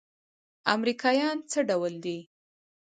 امريکايان څه ډول دي.